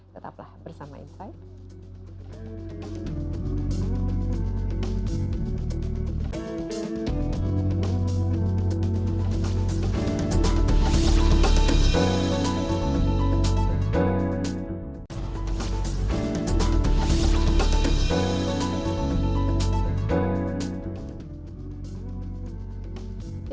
tetaplah bersama insight